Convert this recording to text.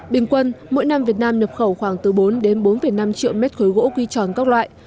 bình quân mỗi năm việt nam nhập khẩu khoảng từ bốn đến bốn năm triệu mét khối gỗ quy tròn các loại